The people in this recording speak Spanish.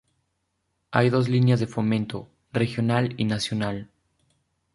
Hay dos líneas de fomento: Regional y Nacional.